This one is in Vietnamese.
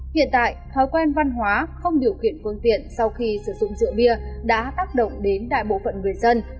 hiện tại thói quen văn hóa không điều khiển phương tiện sau khi sử dụng rượu bia đã tác động đến đại bộ phận người dân